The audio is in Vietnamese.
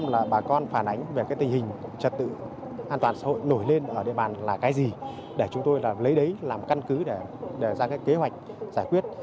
là cái gì để chúng tôi lấy đấy làm căn cứ để ra cái kế hoạch giải quyết